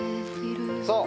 そう！